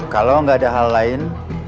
kalau nggak ada hal lain